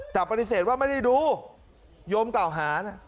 แต่ปฏิเสธว่าไม่ได้ดูโยมกล่าวหานะ